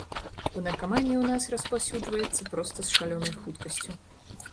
Бо наркаманія ў нас распаўсюджваецца проста з шалёнай хуткасцю.